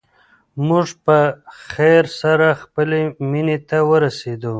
موږ په خیر سره خپلې مېنې ته ورسېدو.